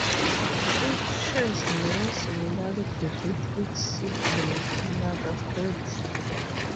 It shares many similarities with its sibling Kannada script.